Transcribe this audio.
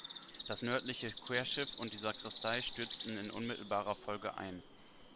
Das nördliche Querschiff und die Sakristei stürzten in unmittelbarer Folge ein.